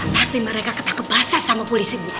pasti mereka ketakut basah sama polisi bu